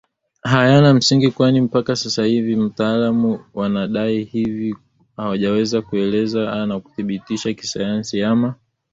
hayana msingi kwani mpaka sasa wataalamu wanaodai hivi hawajaweza kueleza na kuthibitisha kisayansi ama